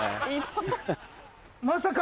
まさか！